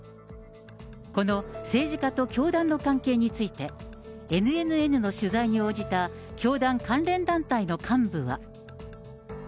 この政治家と教団の関係について、ＮＮＮの取材に応じた教団関連団体の幹部は。